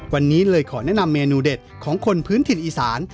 วันนี้เลยขอแนะนำเมนูเด็ดของคนพื้นถิ่นอีสาน